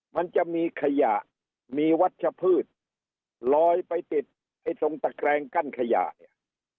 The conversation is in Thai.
มันจะมีขยะมีวัชพืชลอยไปติดไอ้ตรงตะแกรงกั้นขยะเนี่ย